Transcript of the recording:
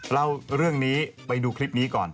เล่าเรื่องนี้ไปดูคลิปนี้ก่อน